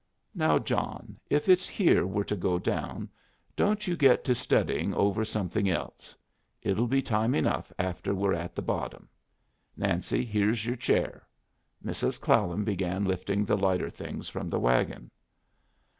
"Now, John, if it's here we're to go down, don't you get to studying over something else. It'll be time enough after we're at the bottom. Nancy, here's your chair." Mrs. Clallam began lifting the lighter things from the wagon.